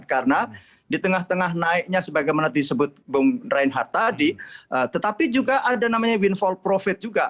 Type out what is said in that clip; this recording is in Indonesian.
karena di tengah tengah naiknya sebagaimana disebut bung reinhardt tadi tetapi juga ada namanya windfall profit juga